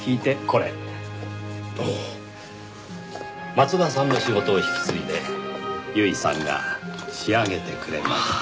松田さんの仕事を引き継いで由衣さんが仕上げてくれました。